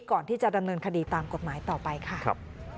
ก่อนที่จะดำเนินคดีตามกฎหมายต่อไปค่ะ